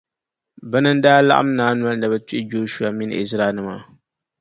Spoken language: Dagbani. Bɛna n-daa laɣim naai noli ni bɛ tuhi Jɔshua mini Izraɛlnima.